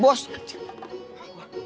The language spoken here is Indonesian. bos bener lagi jalan teko